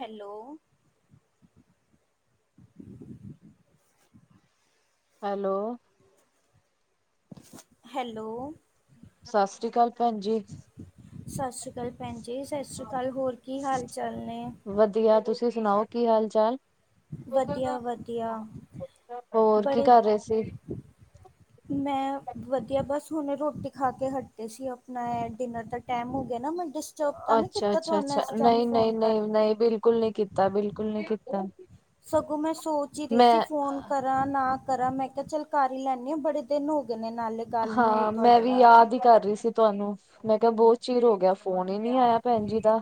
Hello. Hello. Hello. ਸਾ ਸ੍ਰੀ ਕਾਲ ਭੈਂਜੀ। ਸਾਸ੍ਰੀਕਾਲ ਭੈਣ ਜੀ ਸਾਸ੍ਰੀਕਾਲ, ਹੋਰ ਕੀ ਹਾਲ ਚਾਲ ਨੇ? ਵਧੀਆ, ਤੁਸੀਂ ਸੁਣਾਓ ਕੀ ਹਾਲ-ਚਾਲ? ਵਧੀਆ-ਵਧੀਆ! ਹੋਰ ਕੀ ਬੜੇ ਕਰ ਰਹੇ ਸੀ? ਮੈਂ ਵਧੀਆ, ਬਸ ਹੁਣੇ ਰੋਟੀ ਖਾ ਕੇ ਹੱਟੇ ਸੀ, ਆਪਣਾ ਐ ਡਿਨਰ ਦਾ ਟੈਮ ਹੋ ਗਿਆ ਨਾ ਮ ਦਸ ਅੱਛਾ-ਅੱਛਾ-ਅੱਛਾ! ਕਰਕੇ ਨਈਂ-ਨਈਂ-ਨਈਂ-ਨਈਂ, ਬਿਲਕੁਲ ਨਈਂ ਕੀਤਾ, ਬਿਲਕੁਲ ਨਈਂ ਕੀਤਾ! ਸਗੋਂ ਮੈਂ ਸੋਚ ਈ ਰਈ ਸੀ, ਮੈਂ ਫੋਨ ਕਰ ਕਰਾਂ ਨਾ ਕਰਾਂ ਮੈਂ ਕਿਹਾ ਚੱਲ ਕਰ ਈ ਲੈਂਨੀਂ ਆਂ, ਬੜੇ ਦਿਨ ਹੋ ਗਏ ਨੇ ਨਾਲੇ। ਗੱਲ ਨਹੀਂ ਹੋਈ ਹਾਂ, ਮੈਂ ਤੁਹਾਡੇ ਵੀ ਨਾਲ ਯਾਦ ਈ ਕਰ ਰੀ ਸੀ। ਤੁਹਾਨੂੰ, ਮੈਂ ਕਿਹਾ ਬਹੁਤ ਚਿਰ ਹੋ ਗਿਆ, ਫੋਨ ਈ ਨੀ ਆਇਆ ਭੈਂਜੀ ਦਾ।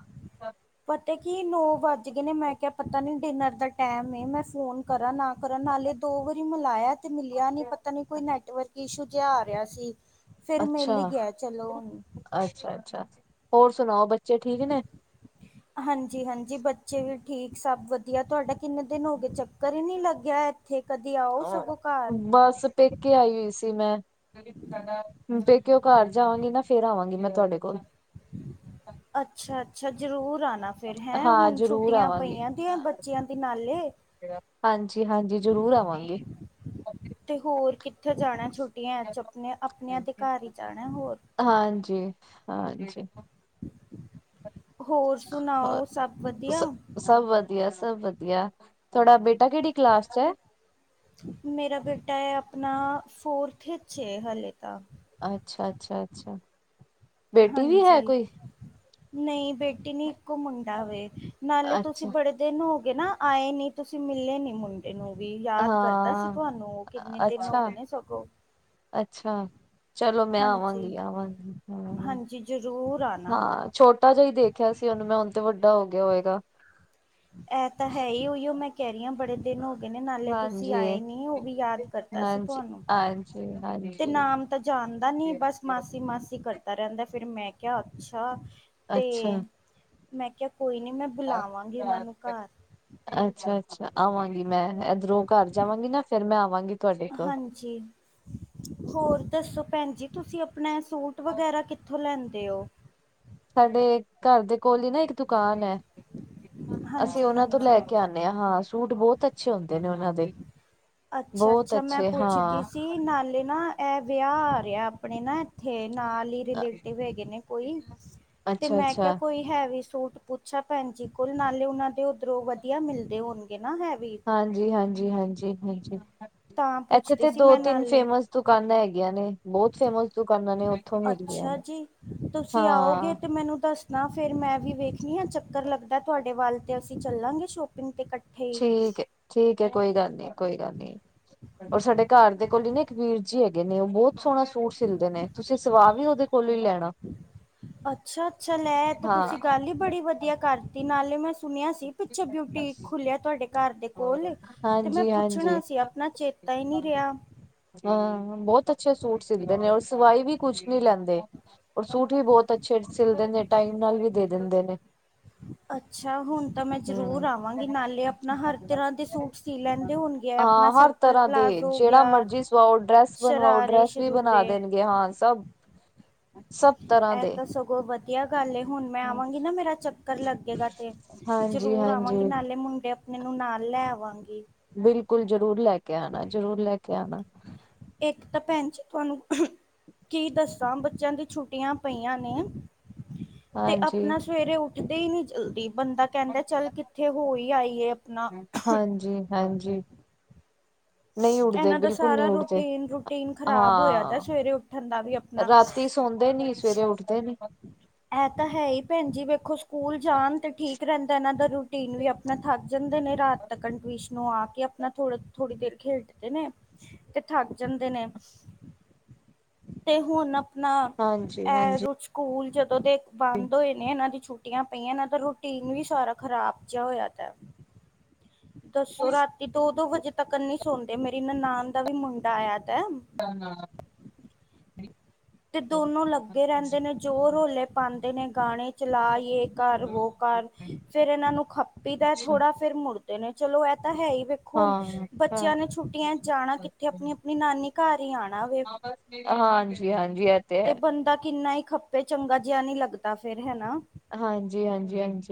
ਪਤਾ ਕੀ ਨੌਂ ਵੱਜ ਗਏ ਨੇ, ਮੈਂ ਕਿਹਾ ਪਤਾ ਨੀ ਡਿਨਰ ਦਾ ਟੈਮ ਏ, ਮੈਂ ਫੋਨ ਕਰਾਂ ਨਾ ਕਰਾਂ ਨਾਲੇ ਦੋ ਵਾਰੀ ਮਿਲਾਇਆ ਤੇ ਮਿਲਿਆ ਨੀ, ਪਤਾ ਨੀ ਕੋਈ ਨੈਟਵਰਕ ਇਸ਼ੂ ਜਿਹਾ ਆ ਰਿਹਾ ਸੀ। ਫੇਰ ਮਿਲ ਈ ਗਿਆ ਚਲੋ! ਅੱਛਾ-ਅੱਛਾ! ਹੋਰ ਸੁਣਾਓ ਬੱਚੇ ਠੀਕ ਨੇ? ਹਾਂਜੀ-ਹਾਂਜੀ! ਬੱਚੇ ਵੀ ਠੀਕ, ਸਭ ਵਧੀਆ। ਤੁਹਾਡਾ ਕਿੰਨੇ ਦਿਨ ਹੋ ਗਏ ਚੱਕ ਕਰ ਈ ਨੀ ਲੱਗਿਆ ਇੱਥੇ, ਕਦੇ ਆਓ ਸਗੋਂ ਘਰ। ਬਸ ਪੇ ਕੇ ਆਈ ਹੋਈ ਸੀ ਮੈਂ, ਪੇਕਿਓਂ ਘਰ ਜਾਵਾਂਗੀ ਨਾ ਫੇਰ ਆਵਾਂਗੀ ਮੈਂ ਤੁਹਾਡੇ ਕੋਲ। ਅੱਛਾ-ਅੱਛਾ ਜਰੂਰ ਆਣਾ! ਫੇਰ ਹੈਂ ਹਾਂ ਹੁਣ ਜ਼ਰੂਰ ਛੁੱਟੀਆਂ ਪਈਆਂ ਦੀਆਂ ਬੱਚਿਆਂ ਦੀ ਨਾਲੇ। ਹਾਂਜੀ-ਹਾਂਜੀ, ਜ਼ਰੂਰ ਆਵਾਂਗੇ। ਤੇ ਹੋਰ ਕਿੱਥੇ ਜਾਣਾ ਛੁੱਟੀਆਂ ਚ ਆਪਨੇ- ਅਪਨਿਆਂ ਦੇ ਘਰ ਹੀ ਜਾਣਾ ਹੋਰ। ਹਾਂਜੀ, ਹਾਂਜੀ। ਹੋਰ ਹੋਰ ਸੁਨਾਓ! ਸਭ ਵਧੀਆ? ਸ ਸਭ ਵਧੀਆ, ਸਭ ਵਧੀਆ। ਤੁਹਾਡਾ ਬੇਟਾ ਕੇੜੀ ਕਲਾਸ ਚ ਐ? ਮੇਰਾ ਬੇਟਾ ਐ ਆਪਨਾ ਫੋਰਥ ਇਚ ਏ ਹੱਲੇ ਤਾਂ। ਅੱਛਾ-ਅੱਛਾ-ਅੱਛਾ। ਹਾਂਜੀ! ਨਈਂ ਬੇਟੀ ਨੀ, ਇੱਕੋ ਮੁੰਡਾ ਵੇ। ਨਾਲੇ ਤੁਸੀਂ ਅੱਛਾ ਬੜੇ ਦਿਨ ਹੋ ਗਏ ਨਾ ਆਏ ਨੀਂ ਤੁਸੀਂ ਮਿਲੇ ਨੀ ਮੈਨ ਈਨੂੰ ਵੀ ਯਾਦ ਕਰਦਾ ਸੀ ਹਾਂ ਤੁਹਾਨੂੰ ਉਹ ਕਿੰਨੇ ਦਿਨ ਹੋਗ ਅੱਛਾ ਨੇ ਸਗੋਂ। ਅੱਛਾ, ਚਲੋ ਮੈਂ ਹਾਂਜੀ ਆਵਾਂਗੀ, ਆਵਾਂਗੀ ਆਵਾਗੀ, ਹਾਂਜੀ ਜ਼ਰੂਰ ਆਣਾ ਹਾਂ। ਛੋਟਾ ਜਿਆ ਈ ਦੇਖਿਆ ਸੀ ਉਨੂੰ ਮੈਂ ਹੁਣ ਤੇ ਵੱਡਾ ਹੋ ਗਿਆ ਹੋਏਗਾ। ਐਹ ਤਾਂ ਹੈ ਹੀ ਉਹੀਓ ਮੈਂ ਕਹਿ ਰਹੀ ਹਾਂ ਬੜੇ ਦਿਨ ਹੋ ਗਏ ਨੇ ਨਾਲੇ ਤੁਸੀਂ ਹਾਂਜੀ ਆਏ ਨੀ ਉਹ ਵੀ ਯਾਦ ਕਰਤਾ ਸੀ ਹਾਂਜੀ ਤੁਹਾਨੂੰ। ਹਾਂਜੀ ਤੇ ਹਾਂਜੀ ਨਾਮ ਤਾਂ ਜਾਣਦਾ ਨੀ ਬਸ ਮਾਸੀ- ਮਾਸੀ ਕਰ ਕਰਦਾ ਰਹਿੰਦਾ ਫਿਰ ਮੈਂ ਕਿਹਾ ਅੱਛਾ ਅੱਛਾ ਤੇ, ਮੈਂ ਕਿਆ ਕੋਈ ਨੀ ਮੈਂ ਬੁਲਾਵਾਂ ਜਿੰਨਾ ਨੂੰ ਘਾਰ ਅੱਛਾ ਅੱਛਾ ਆਵਾਂਗੀ ਮੈਂ ਇੱਧਰੋਂ ਘਰ ਜਾਵਾਂਗੀ ਨਾ ਫੇਰ ਮੈਂ ਆਵਾਂਗੀ। ਤੁਹਾਡੇ ਕੋਲ ਹਾਂਜੀ, ਹੋਰ ਦੱਸੋ ਭੈਣ ਜੀ ਤੁਸੀਂ ਆਪਣਾ ਸੂਟ ਵਗੈਰਾ ਕਿ ਕਿੱਥੋਂ ਲੈਂਦੇ ਓ? ਸਾਡੇ ਘਰ ਦੇ ਕੋਲ ਈ ਨਾ ਇੱਕ ਦੁਕਾਨ ਐ, ਅਸੀਂ ਹਾਂਜੀ ਉਹਨਾ ਤੋਂ ਲੈ ਹਾਂਜੀ ਕੇ ਆਣੇ ਹਾਂ ਸੂਟ ਬਹੁਤ ਅੱਛੇ ਹੁੰਦੇ ਨੇ ਉਹਨਾਂ ਦੇ। ਅੱਛਾ ਬਹੁਤ ਅੱਛਾ ਮੈਂ ਅੱਛੇ ਪੁੱਛਦੀ ਹਾਂ ਸੀ? ਕੀ ਨਾਲੇ ਨਾ ਇਹ ਵਿਆਹ ਆ ਰਿਹਾ ਆਪਣੇ ਨਾ ਇੱਥੇ ਨਾਲ ਈ ਰਿਲੇਟਿਵ ਹੈਗੇ ਨੇ ਕੋਈ, ਤੇ ਮੈਂ ਕਿਆ ਅੱਛਾ-ਅੱਛਾ ਕੋਈ ਹੈਵੀ ਸੂਟ ਪੁੱਛਾ ਭੈਣ ਜੀ ਕੋਲ ਨਾਲੇ ਉਹਨਾਂ ਦੇ ਉੱਧਰੋਂ ਵਧੀਆ ਮਿਲਦੇ ਹੋਣਗੇ ਨਾ ਹੈਵੀ? ਹਾਂਜੀ ਹਾਂਜੀ, ਹਾਂਜੀ ਹਾਂਜੀ। ਤਾਂ ਇੱਥੇ ਪੁੱਛਦੀ ਤੇ ਸੀ ਮੈਂ ਦੋ-ਤਿੰਨ ਨਾਲੇ ਫੇਮਸ ਦੁਕਾਨਾਂ ਹੈਗੀਆਂ ਨੇ, ਬੋਤ ਫੇਮਸ ਦੁਕਾਨਾਂ ਨੇ। ਮਿਲਦੀਆਂ ਅੱਛਾ ਨੇ ਜੀ, ਤੁਸੀਂ ਆਓਗੇ ਹਾਂ ਤੇ ਮੈਨੂੰ ਦੱਸ ਨਾ ਫੇਰ ਮੈਂ ਵੀ ਵੇਖਣੀ ਆ ਚੱਕਰ ਲੱਗਦਾ ਤੁਹਾਡੇ ਵੱਲ ਤੇ ਅਸੀਂ ਚੱਲਾਂਗੇ ਸ਼ੋਪਿੰਗ ਤੇ ਇਕੱਠ ਠੀਕ ਐ। ਠੀਕ ਐ ਕੋਈ ਗੱਲ ਨੀ, ਕੋਈ ਗੱਲ ਨੀ, ਔਰ ਸਾਡੇ ਘਰ ਦੇ ਕੋਲ ਹੀ ਨਾ ਇੱਕ ਵੀਰ ਜੀ ਹੈਗੇ ਨੇ ਉਹ ਬੋਤ ਸੋਹਣਾ ਸੂਟ ਸਿਲਦੇ ਨੇ ਤੁਸੀਂ ਸਵਾਹ ਵੀ ਉਹਦੇ ਕੋਲੋਂ ਈ ਲੈਣਾ। ਅੱਛਾ ਅੱਛਾ ਲੈ ਤਾਂ ਹਾਂ ਤੁਸੀਂ ਗੱਲ ਹੀ ਬੜੀ ਵਧੀਆ ਕਰਤੀ ਨਾਲੇ ਮੈਂ ਸੁਣਿਆ ਸੀ ਪਿੱਛੇ ਬਿਊਟੀਕ ਖੁੱਲਿਆ ਤਾਡੇ ਘਰ ਦੇ ਕੋਲ ਤੇ ਮੈਂ ਹਾਂਜੀ ਹਾਂਜੀ ਪੁੱਛਣਾ ਸੀ ਆਪਣਾ ਚੇਤਾ ਈ ਨੀ ਰਿਹਾ। ਹੂੰ ਬਹੁਤ ਅੱਛਾ ਸੂਟ ਸਿੱਲਦੇ ਨੇ ਸਵਾਈ ਵੀ ਕੁੱਝ ਨੀ ਲੈਂਦੇ। ਔਰ ਸੂਟ ਵੀ ਬੋਤ ਅੱਛੇ ਸਿਲਦੇ ਨੇ ਟਾਈਮ ਨਾਲ ਵੀ ਦੇ ਦਿੰਦੇ ਨੇ। ਅੱਛਾ ਹੁਣ ਤਾਂ ਮੈਂ ਹਮ ਜ਼ਰੂਰ ਆਵਾਂਗੀ ਨਾਲੇ ਆਪਣਾ ਹਰ ਤਰ੍ਹਾਂ ਦੇ ਸੂਟ ਸੀ ਲੈਂਦੇ ਹੋਣਗੇ ਆਪਣਾ ਹਾਂ ਹਰ ਸਰ ਤਰ੍ਹਾਂ ਦੇ ਜਿਹੜਾ ਮਰਜੀ ਸੁਵਾਓ ਡਰੈਸ ਬਣਵਾਓ ਸ਼ਰਾਰੇ ਡਰੈਸ ਵੀ ਬਣਾ ਸ਼ਰੂਰੇ ਦੇਣ ਗੇ। ਯਾਹਾਂ ਸਭ, ਸਭ- ਤਰ੍ਹਾਂ ਐਹ ਦੇ ਤਾਂ ਸਗੋਂ ਵੱਧ ਵਧੀਆ ਗੱਲ ਹੁਣ ਮੈਂ ਆਵਾਂਗੀ ਨਾ ਮੇਰਾ ਚੱਕਰ ਲੱਗੇਗਾ ਤੇ ਹਾਂਜੀ ਜਰੂਰ ਹਾਂਜੀ ਆਵਾਂਗੀ ਨਾਲੇ ਮੁੰਡੇ ਆਪ ਇਨੂੰ ਨਾਲ ਲੈ ਆਵਾਂਗੀ। ਬਿਲਕੁਲ ਜਰੂਰ ਲੈ ਕੇ ਆਣਾ ਜ਼ਰੂਰ ਲੈ ਕੇ ਆਣਾ। ਇੱਕ ਤਾਂ ਭੈਣ ਜੀ ਤੁਆਨੂੰ ਕੀ ਦੱਸਾਂ ਬੱਚਿਆਂ ਦੀ ਛੁੱਟੀਆਂ ਪਈਆਂ ਨੇ ਤੇ ਹਾਂਜੀ ਆਪਣਾ ਸਵੇਰੇ ਉੱਠਦੇ ਈ ਨੀ ਜਲਦੀ ਬੰਦਾ ਕਹਿੰਦਾ ਚੱਲ ਕਿੱਥੇ ਹੋਈ ਆਈਏ ਆਪਣਾ। ਹਾਂਜੀ ਹਾਂਜੀ। [inaudible] ਨਹੀਂ ਉੱਡਦੇ ਏਨਾਂ ਦਾ ਬਿਲਕੁਲ ਨਹੀਂ ਸਾਰਾ ਉੱਡਦੇ ਰੂਟੀਨ- ਰੂਟੀਨ ਖ਼ਰਾਬ ਹੋਇਆ ਹਾਂ ਦਾ ਸਵੇਰੇ ਉੱਠਣ ਦਾ ਵੀ ਅਪ ਰਾਤੀ ਸੌਦੇ ਨੀ, ਸਵੇਰੇ ਉੱਠਦੇ ਨੀ। ਐ ਤਾਂ ਹੈ ਹੀ ਭੈਣ ਜੀ ਵੇਖੋ ਸ ਸਕੂਲ ਜਾਣ ਤੇ ਠੀਕ ਰਹਿੰਦਾ ਇਹਨਾਂ ਦਾ ਰੂਟੀਨ ਵੀ ਆਪਣਾ ਥੱਕ ਜਾਂਦੇ ਨੇ ਰਾਤ। ਤਕਨ ਟਵੀਸ਼ਨੋ ਆ ਕੇ, ਅਪਨਾ ਥੋੜਾ, ਥੋੜੀ ਦੇਰ ਖੇਡਦੇ ਨੇ, ਤੇ ਥਾੱਕ ਜਾਂਦੇ ਨੇ, ਤੇ ਹੁਨ ਨਾ ਹਾਂਜੀ ਐ ਹਾਂਜੀ ਰੂ ਸੂਕੂਲ ਜਦੋਂ ਦੇ ਬਾੰਦ ਹੋਏ ਨੇ, ਏਨਾਂ ਦੀ ਛੁੱ ਛੁੱਟੀਆਂ ਪਈਆਂ ਇਨਾਂ ਦਾ ਰੂਟੀਨ ਵੀ ਸਾਰਾ ਖ਼ਰਾਬ ਜਾ ਹੋਏਆ ਦੈ। ਦੱਸੋ ਰਾਤੀ ਦੋ-ਦੋ ਵਜੇ ਤੱਕ ਨੀ ਸੌਂਦੇ ਮੇਰੀ ਨਨਾਨ ਦਾ ਵੀ ਮੁੰਡਾ ਆਏਆ ਦੈ। [inaudible] ਤੇ ਦੋਨੋ ਲੱਗੇ ਰੈਂਦੇ ਨੇ ਜੋ ਰੋਲੇ ਪਾਂਦੇ ਨੇ, ਗਾਣੇ ਚਲਾ, ਯੇ ਕਾਰ ਵੋ ਕਾਰ। ਫੇਰ ਏਨਾਂ ਨੂੰ ਖੱਪੀ ਦਾ ਅੱਛਾ ਥੋੜਾ, ਫੇਰ ਮੁੜਦੇ ਨੇ, ਚਲੋ ਐ ਤਾਂ ਹੈਈ ਬ ਖੁ ਹੁਨ, ਹਾਂ ਬੱਚੇਆਂ ਹਾਂ। ਨੇ ਛੁੱਟੀਆਂ ਚ ਜਾਣਾ ਕਿੱਥੇ, ਅਪਣੀ-ੳਪਣੀ ਨਾਨੀ ਘਾਰ ਈ ਆਣਾ ਵੇ। [unintelligible] ਹਾਂਜੀ-ਹਾਂਜੀ ਐ ਤੇ ਬੰਦਾ ਕਿੰਨਾ ਈ ਖੱਪੇ, ਚੰਗਾ ਜੇਆ ਨੀ ਲੱਗਦਾ ਫੇਰ, ਹੈਨਾ? ਹਾਂਜੀ, ਹਾਂਜੀ, ਹਾਂਜੀ।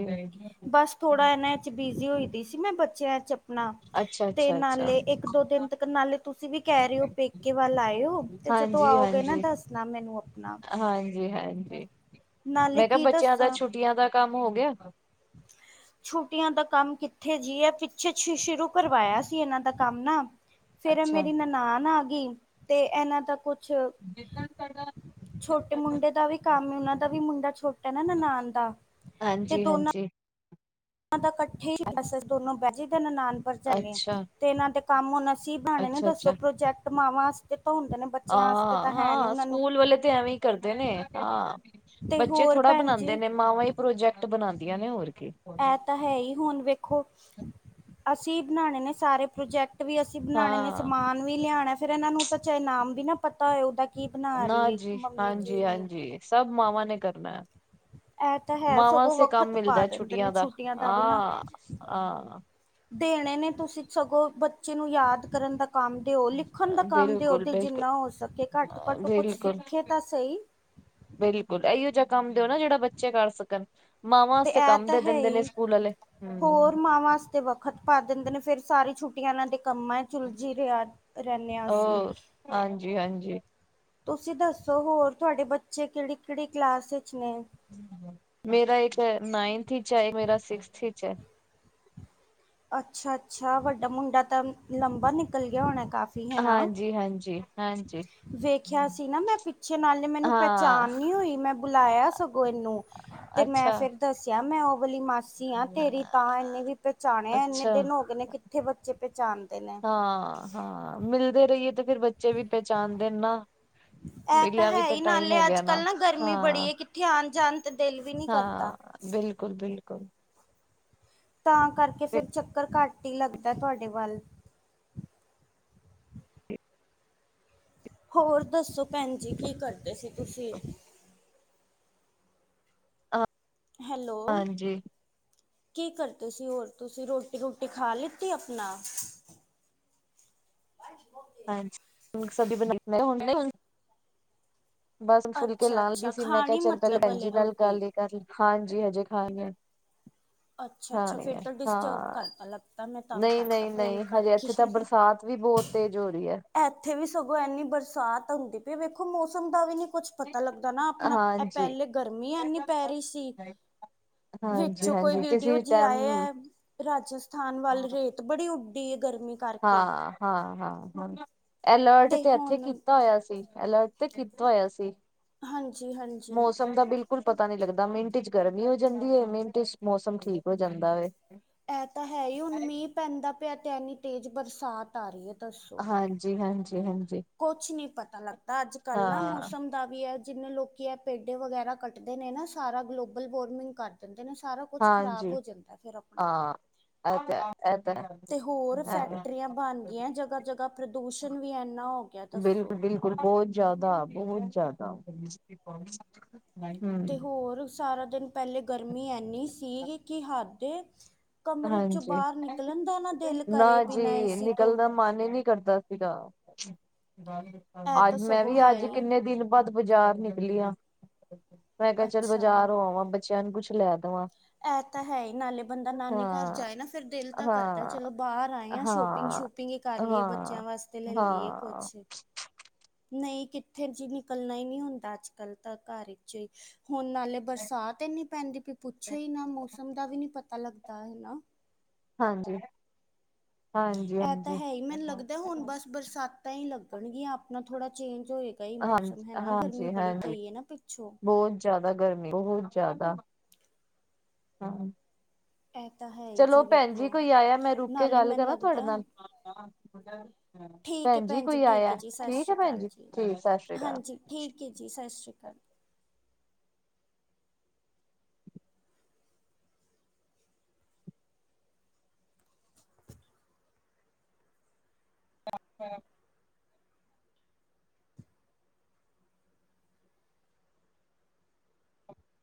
ਬਾੱਸ ਥੋੜਾ ਐਨਾਂ ਇਚ ਬਿਜੀ ਹੋਈ ਦੀ ਸੀ, ਮੈਂ ਬੱਚੇਆਂ ਚ ਅਪਨਾ, ਅੱਛਾ ਤੇ ਅੱਛਾ ਅੱਛਾ ਨਾਲੇ ਏੱਕ-ਦੋ ਦਿਨ ਤੱਕ ਨਾਲੇ ਤੂਸੀ ਵੀ ਕੈ ਰੇ ਓ ਪੇੱਕੇ ਵੱਲ ਆਏ ਓ ਤੇ ਜਦੋਂ ਹਾਂਜੀ ਆਓਗੇ ਨਾ, ਹਾਂਜੀ ਦੱਸਨਾ ਮੈਨੂੰ ਅਪਨਾ। ਹਾਂਜੀ ਹਾਂਜੀ। ਨਾਲੇ ਮੈਂ ਕਿਹਾ ਕੀ ਬੱਚਿਆਂ ਦਾ ਦੱਸਾਂ ਛੁੱਟੀਆਂ ਦਾ ਕਾੰਮ ਹੋ ਗੇਆ? [inaudible] ਛੁੱਟੀਆਂ ਦਾ ਕਾੰਮ ਕਿੱਥੇ ਜੀ, ਐ ਪਿੱਛੇ ਸ਼ ਸ਼ੁਰੂ ਕਰਵਾਏਆ ਸੀ ਇਨਾਂ ਦਾ ਕਾੰਮ ਨਾ ਫੇਰ ਐ ਅੱਛਾ ਮੇਰੀ ਨਨਾਨ ਆਗੀ ਤੇ ਐਨਾਂ ਦਾ ਕੁੱਛ ਜਿੱਦਨ ਸਾਡਾ ਛੋਟੇ ਮੁੰਡੇ ਦਾ ਵੀ ਕਾੰਮ, ਉਨਾ ਦਾ ਵੀ ਮੁੰਡਾ ਛੋਟੈ ਨਾ ਨਨਾਨ ਦਾ ਹਾਂਜੀ-ਹਾਂਜੀ। ਉਨਾਂ ਦਾ ਕੱਠੇ ਈ ਬਾੱਸ ਅਸੀ ਦੋਨੋ ਬੈਜਾਈ ਦੈ ਨਨਾਨ ਭਰਜਾਈ ਨੇ ਅੱਛਾ ਤੇ ਇਨਾਂ ਦੇ ਕਾੰਮ ਹੁਨ ਅਸੀ ਬਾਨੇ ਨੇ, ਅੱਛਾ ਦੱਸੋ ਪ੍ਰੋਜੈਕਟ ਮਾਵਾਂ ਆਸਤੇ ਤਾਂ ਹੁੰਦੇ ਨੇ। ਆ, ਬੱਚਿਆਂ ਵਾਸਤੇ ਤਾਂ ਹੈ ਨੀ ਹਾਂ, ਉਹਨਾਂ ਨੂੰ ਸੂਕੂਲ ਵਾਲੇ ਤੇ ਐਵੇਂ ਈ ਕਰਦੇ ਨੇ, ਹਾਂ। ਤੇ ਬੱਚੇ ਹੋਰ ਥੋੜਾ ਭੈਣ ਜੀ ਬਨਾਂਦੇ ਨੇ, ਮਾਵਾਂ ਈ ਪ੍ਰੋਜੈਕਟ ਬਨਾਂਦੀਆਂ ਨੇ, ਹੋਰ ਕੀ। ਐ ਤਾ ਹੈ ਈ ਹੁਨ ਵੇਖੋ, ਅਸੀ ਈ ਬਨਾਨੇ ਨੇ ਸਾਰੇ ਪ੍ਰੋਜੈਕਟ ਵੀ ਅਸੀ ਬਨਾਣੇ ਨੇ, ਹਾਂ। ਸਮਾਨ ਵੀ ਲਿਆਣੈ, ਫੇਰ ਇਨਾਂ ਨੂੰ ਚਾਏ ਨਾਮ ਵੀ ਨਾ ਪਤਾ ਹੋਏ ਉਦਾ ਕੀ ਬਨਾ ਰੀ ਏ ਮੰਮੀ ਕੀ ਨੀ। ਸਬ ਮਾਵਾਂ ਨੇ ਕਰਨੈ। ਇਹ ਤਾਂ ਹੈ ਮਾਵਾਂ ਸਗੋਂ ਅਸੇ ਕਾੰਮ ਵਖਤ ਪਾ ਮਿਲਦੈ ਦਿੰਦੇ ਨੇ ਛੁੱਟੀਆਂ ਦਾ, ਵੀ ਨਾ ਆਂ, ਆਂ। ਦੇਣੇ ਨੇ ਤੂਸੀ ਸਗੋਂ ਬੱਚੇ ਨੂੰ ਯਾਦ ਕਰਨ ਦਾ ਕਾੰਮ ਦੇਓ, ਲਿੱਖਨ ਦਾ ਕਾੰਮ ਦੇਓ ਬਿਲਕੁਲ ਤੇ ਬਿਲਕੁਲ ਜਿੰਨਾ ਹੋ ਸਕੇ, ਘਾੱਟ ਤੋਂ ਘਾੱਟ ਓ ਕੁੱਛ ਬਿਲਕੁਲ ਸਿੱਖੇ ਤਾਂ ਸਈ। ਬਿਲਕੁਲ, ਐਈਓ ਜਾ ਕਾੰਮ ਦੇਓ ਨਾ ਜੇੜਾ ਬੱ ਬੱਚੇ ਕਾਰ ਸਕਨ, ਮਾਵਾਂ ਤੇ ਅਸਤੇ ਇਹ ਕਾੰਮ ਤਾਂ ਦੇ ਹੈ ਦੇੰਦੇ ਨੇ ਹੀ ਸੂਕੂਲ ਵਾਲੇ, ਹੂੰ। ਹੋਰ ਮਾਵਾਂ ਵਾਸਤੇ ਵੱਖ ਖ਼ਤ ਪਾ ਦੇਂਦੇ ਨੇ, ਫੇਰ ਸਾਰੀ ਛੁੱਟੀਆਂ ਏਨਾਂ ਦੇ ਕੰਮਾਂ ਚ ਉਲਜੀ ਰੇਆ, ਰੇੱਨੇ ਆਂ ਅਸੀ। ਹਾਂਜੀ-ਹਾਂਜੀ। ਤੂਸੀ ਦੱਸੋ ਹੋਰ ਤੂਆਡੇ ਬੱਚੇ ਕੈੜੀ-ਕੈੜੀ ਕਲਾਸ ਇੱਚ ਨੇ? ਮੇਰਾ ਇੱਕ ਨਾਇਨਥ ਇੱਚ ਐ, ਏਕ ਮੇਰਾ ਸਿਕਸਥ ਇੱਚ ਐ। ਅੱਛਾ-ਅੱਛਾ, ਵੱਡਾ ਮੁੰਡਾ ਤਾਂ ਲੰਬਾ ਨਿਕਲ ਗੇਆ ਹੋਣੈ ਕਾਫੀ? ਹਾਂਜੀ, ਹਾਂਜੀ, ਹਾਂਜੀ। ਵੇਖੇਆ ਸੀ ਨਾ ਮੈਂ ਪਿੱਛੇ, ਨਾਲੇ ਮੈਨੂੰ ਹਾਂ ਪ੍ਹੈਚਾਨ ਨੀ ਹੋਈ, ਮੈਂ ਬੁਲਾਏਆ ਸਗੋਂ ਏਨੂੰ ਤੇ ਮੈਂ ਅੱਛਾ ਫੇਰ ਦੱਸੇਆ ਮੈਂ ਓ ਵਾਲੀ ਮਾ ਸੀ ਆਂ ਤੇਰੀ ਤਾਂ ਏਨੇ ਵੀ ਪਹਿਚਾਣੇਆ ਇੰਨੇ ਅੱਛਾ ਦਿਨ ਹੋ ਗਏ ਨੇ ਕਿੱਥੇ ਬੱਚੇ ਪਹਿਚਾਣਦੇ ਨੇ। ਹਾਂ-ਹਾਂ, ਮਿਲਦੇ ਰਈਏ ਤੇ ਫਿਰ ਬੱਚੇ ਵੀ ਪਹਿਚਾਣਦੇ ਨੇ ਨਾ। [inaudible] ਐਹ ਤਾਂ ਮਿਲਿਆ ਵੀ ਹੈ ਤੇ ਈ ਟਾਈਮ ਹੋ ਨਾਲੇ ਗਿਆ ਅੱਜ-ਕੱਲ ਨਾ ਗਰਮੀ ਬੜੀ ਹਾਂ ਐ ਕਿੱਥੇ ਆਣ-ਜਾਣ ਤੇ ਦਿਲ ਵੀ ਨੀ ਕਰਦਾ। ਬਿਲਕੁਲ-ਬਿਲਕੁਲ। ਤਾਂ ਕਰਕੇ ਫਿਰ ਚੱਕਰ ਘੱਟ ਈ ਲੱਗਦਾ ਤੁਆਡੇ ਵੱਲ। ਹੋਰ ਦੱਸੋ ਭੈਣ ਜੀ ਕੀ ਕਰਦੇ ਸੀ ਤੁਸੀਂ? ਆਂ। ਹੈਲੋ। ਕੀ ਕਰਦੇ ਸੀ ਹੋਰ ਤੁਸੀਂ ਰੋਟੀ-ਰੂਟੀ ਖਾ ਲਿੱਤੀ ਆਪਣਾ? ਹਾਂਜੀ [unintelligible] ਬਸ ਫੁਲਕੇ ਅੱਛਾ ਲਾਨ ਲੱਗੀ ਅੱਛਾ ਸੀ ਮੈਂ ਕਿਆ ਖਾਣੀ ਚੱਲ ਪੈਲੇ ਮਤਲਬ ਭੈਣਜੀ ਹਲੇ ਨਾਲ ਰੋਟੀ ਗੱਲ ਈ ਹਾਂਜੀ ਹਜੇ ਖਾਨੀ ਐ ਖਾਣੀ ਐ, ਡਿਸਟਰਬ ਹਾਂ। ਕਰਤਾ ਅਲੱਗ ਤਾਂ ਮੈਂ ਤੰਗ ਨਈਂ ਕਰਤਾ ਨਈਂ ਫੋਨ ਨਈਂ, ਹਜੇ ਕਰਕੇ ਏਥੇ ਤਾਂ ਬਰਸਾਤ ਵੀ ਬੋਹ ਤੇਜ ਹੋ ਰਈ ਐ। ਏਥੇ ਵੀ ਸਗੋਂ ਏਨੀ ਬਰਸਾਤ ਹੁੰਦੀ ਪਈ ਐ ਵੇਖੋ ਮੌਸਮ ਦਾ ਵੀ ਨੀ ਕੁੱਛ ਪਤਾ ਲੱਗਦਾ ਨਾ ਆਪਣਾ ਐਹ ਹਾਂਜੀ ਪੈਲੇ ਗਰਮੀ ਏਨੀ ਪੈ ਰਈ ਸੀ। ਹਾਂਜੀ ਵਿੱਚੋਂ ਕੋਈ ਹਾਂਜੀ ਵੀਡੀਓ ਕਿਸੇ ਜੀ ਟਾਈਮ ਆਏ ਐ ਰਾਜਸਥਾਨ ਵੱਲ ਰੇਤ ਬੜੀ ਉੱਡੀ ਐ ਗਰਮੀ ਕ ਹਾਂ-ਹਾਂ-ਹਾਂ-ਹਾਂ, ਐਲਰਟ ਤੇ ਏਥੇ ਕੀਤਾ ਹੋਇਆ ਸੀ। ਐਲਰਟ ਤੇ ਕੀਤਾ ਹੋਇਆ ਸੀ, ਹਾਂਜੀ-ਹਾਂਜੀ। ਮੌਸਮ ਦਾ ਬਿਲ ਕੁਲ ਪਤਾ ਨੀ ਲੱਗਦਾ ਮਿੰਟ ਚ ਗਰਮੀ ਹੋ ਜਾਂਦੀ ਐ ਮਿੰਟ ਚ ਮੌਸਮ ਠੀਕ ਹੋ ਜਾਂਦਾ ਵੈ। ਐ ਤਾਂ ਹੈ ਈ ਹੁਣ ਮੀਂਹ ਪੈਂਦਾ ਪਿਆ ਤੇ ਏਨੀ ਤੇਜ ਬਰਸਾਤ ਆ ਰਈ ਐ। ਹਾਂਜੀ-ਹਾਂਜੀ-ਹਾਂਜੀ। ਕੁਛ ਨੀ ਪਤਾ ਲੱਗਦਾ ਅੱਜ-ਕੱਲ ਨਾ ਮੌਸਮ ਦਾ ਵੀ ਐ ਜਿੰਨੇ ਲੋਕੀ ਐ ਪੇਡੇ ਵਗੈਰਾ ਕੱਟਦੇ ਨੇ ਨਾ ਸਾਰਾ ਗਲੋਬਲ ਵਾਰਮਿੰਗ ਕਰ ਦਿੰਦੇ ਨੇ ਸਾਰਾ ਕੁਛ ਖਰਾਬ ਹਾਂਜੀ ਹੋ ਜਾਂਦਾ ਐ ਫਿਰ ਆਪਣਾ ਹਾਂ। ਐ ਤਾ ਐ ਤਾ ਹੈ। ਤੇ ਹੋਰ ਫੈਕਟਰੀਆਂ ਬਣ ਗੀਆਂ ਜਗਾ-ਜਗਾ ਪ੍ਰਦੂਸ਼ਣ ਵੀ ਏਨਾ ਹੋ ਗਿਆ ਦੱਸੋ। ਬਿਲਕੁਲ-ਬਿਲਕੁਲ ਬੋਹ ਜਆਦਾ ਬੋਹਤ ਜ਼ਾਦਾ। ਤੇ ਹੋਰ ਸਾਰਾ ਦਿਨ ਪੈਲੇ ਗਰਮੀ ਏਨੀ ਸੀਗੀ ਕਿ ਹੱਦ ਐ। ਕਮਰੇ ਚੋਂ ਹਾਂਜੀ ਬਾਰ ਨਿਕਲਨ ਦਾ ਨਾ ਦਿਲ ਨਾ ਕਰੇ ਬਿਨਾਂ ਜੀ ਏਸੀ ਤੋਂ। ਨਿਕਲ ਦਾ ਮਨ ਈ ਨੀ ਕਰਦਾ ਸੀਗਾ, ਇਹ ਤਾਂ ਅੱਜ ਮੈਂ ਸਗੋਂ ਵੀ ਹੈ ਅੱਜ ਹੀ। ਕਿੰਨੇ ਦਿਨ ਬਾਦ ਬਾਜ਼ਾਰ ਨਿਕਲੀ ਆ, ਮੈਂ ਕਿਆ ਚੱਲ ਅੱਛਾ ਬਾਜ਼ਾਰ ਹੋ ਆਵਾਂ ਬੱਚੇਆਂ ਨੂੰ ਕੁਛ ਲੈ ਦਵਾਂ। ਐ ਤਾਂ ਹੈ ਈ ਨਾਲੇ ਬੰਦਾ ਨਾਨੀ ਘਰ ਹਾਂ, ਜਾਏ ਨਾ ਫਿਰ ਦਿਲ ਤਾਂ ਕਰਦਾ ਹਾਂ। ਚਲੋ ਬਾਰ ਆਏ ਆਂ ਹਾਂ ਸ਼ੋਪਿੰਗ-ਸ਼ੂਪਿੰਗ ਈ ਕਰ ਲਈਏ ਹਾਂ ਬੱਚੇਆਂ ਵਾਸ ਤੇ ਲੈ ਲੀਏ ਹਾਂ ਕੁਛ। ਨਈਂ ਕਿੱਥੇ ਜੀ ਨਿਕਲਨਾ ਈ ਨਈਂ ਹੁੰਦਾ ਅੱਜ-ਕੱਲ ਤਾਂ ਘਰ ਵਿੱਚੋ ਈ। ਹੁਣ ਨਾਲੇ ਬਰਸਾਤ ਏਨੀ ਪੈਂਦੀ ਪਈ ਪੁੱਛੋ ਈ ਨਾ ਮੌਸਮ ਦਾ ਵੀ ਨੀ ਪਤਾ ਲੱਗਦਾ ਹੈਨਾ। ਹਾਂਜੀ, ਇਹ ਤਾਂ ਹਾਂਜੀ-ਹਾਂਜੀ। ਹੈ ਹੀ ਮੈਨੂੰ ਲੱਗਦਾ ਹੁਣ ਬਸ ਬਰਸਾਤਾਂ ਈ ਲੱਗਣਗੀਆਂ ਆਪਣਾ ਥੋੜਾ ਚੇਂਜ ਹੋਏ ਗਾ ਈ ਮੌਸਮ ਹੈ ਨਾ ਗਰਮੀ ਬੜੀ ਪਈ ਏ ਨਾ ਪਿੱਛੋਂ। ਜ਼ਾਦਾ ਗਰਮੀ ਬੋਹਤ ਜ਼ਾਦਾ। ਹਾਂ। ਐ ਤਾਂ ਹੈ। ਹੀ ਚਲੋ ਭੈਣ ਜੀ ਵੇਖੋ ਕੋਈ ਆਏਆ ਮੈਂ ਰੁਕ ਕੇ ਨਾਲੇ ਗੱਲ ਮੈਨੂੰ ਕਰਾਂ ਥੁਆਡੇ ਲੱਗਦਾ ਨਾਲ। ਠੀਕ ਹੈ ਭੈਣ ਜੀ ਕੋਈ ਠੀਕ ਆਏਆ, ਹੈ ਜੀ ਸਤਿ ਠੀਕ ਸ਼੍ਰੀ ਐ ਭੈਣ ਅਕਾਲ ਜੀ, ਠੀਕ ਸਸ਼੍ਰੀ ਕਾਲ। ਹਾਂਜੀ ਠੀਕ ਏ ਜੀ ਸਸ਼੍ਰੀ ਕਾਲ। [inaudible]